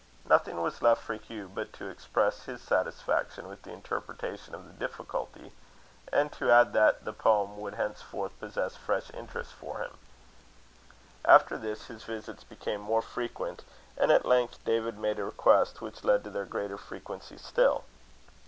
Nothing was left for Hugh but to express his satisfaction with the interpretation of the difficulty, and to add, that the poem would henceforth possess fresh interest for him. After this, his visits became more frequent; and at length David made a request which led to their greater frequency still.